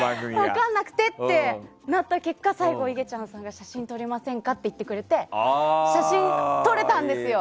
分からなくなってって最後、いげちゃんが写真を撮りませんかって言ってくれて写真撮れたんですよ。